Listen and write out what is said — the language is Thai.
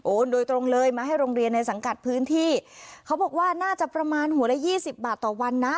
โดยตรงเลยมาให้โรงเรียนในสังกัดพื้นที่เขาบอกว่าน่าจะประมาณหัวละยี่สิบบาทต่อวันนะ